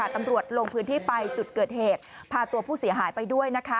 ตำรวจลงพื้นที่ไปจุดเกิดเหตุพาตัวผู้เสียหายไปด้วย